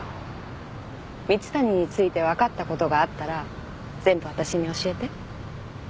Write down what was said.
蜜谷について分かったことがあったら全部私に教えて。